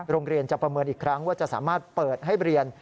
โรงเรียนจะประเมินอีกครั้งว่าจะสามารถเปิดให้เรียน